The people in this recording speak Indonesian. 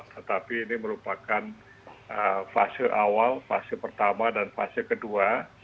tetapi ini merupakan fase awal fase pertama dan fase kedua